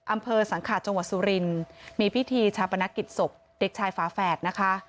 อำเภอสังขาจังหวัดสุรินมีพิธีชาปนกิจศพเด็กชายฝาแฝดนะคะ